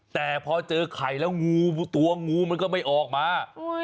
แต่พอเจอไข่แล้วงูตัวงูมันก็ไม่ออกมา